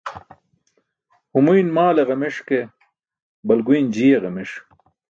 Humuyn maale ġameṣ ke, balguyn jiye ġameṣ.